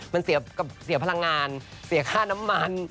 มันเสียพลังงานเสียค่าน้ำมัน